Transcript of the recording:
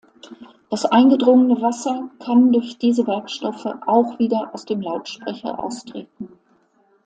Das eingedrungene Wasser kann durch diese Werkstoffe auch wieder aus dem Lautsprecher austreten.